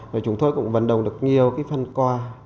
rồi chúng tôi cũng vận động được nhiều cái phân qua